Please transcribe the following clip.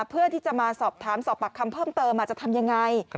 เพื่อที่จะมาสอบถามสอบปากคำเพิ่มเติมจะทำยังไง